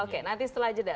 oke nanti setelah jeda